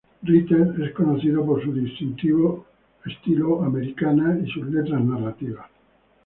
Ritter es conocido por su distintivo estilo Americana y sus letras narrativas.